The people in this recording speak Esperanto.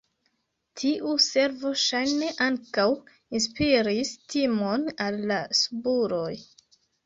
Tiu servo ŝajne ankaŭ inspiris timon al la subuloj.